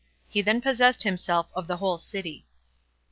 He Then Possessed Himself Of The Whole City.